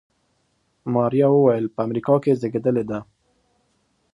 ماريا وويل په امريکا کې زېږېدلې ده.